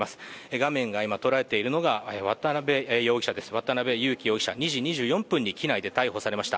画面が今捉えているのが渡辺優樹容疑者、２時２４分に機内で逮捕されました。